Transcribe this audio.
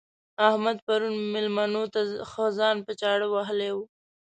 احمد پرون مېلمنو ته ښه ځان په چاړه وهلی وو.